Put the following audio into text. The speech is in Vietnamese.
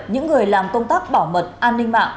những người làm công tác bảo mật an ninh mạng